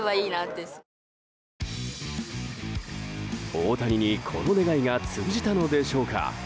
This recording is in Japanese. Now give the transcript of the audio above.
大谷に、この願いが通じたのでしょうか。